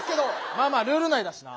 まあまあルール内だしな。